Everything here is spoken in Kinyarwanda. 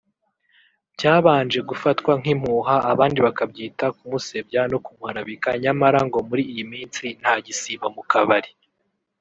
Byabanje gufatwa nk’impuha abandi bakabyita kumusebya no kumuharabika nyamara ngo muri iyi minsi ntagisiba mu kabari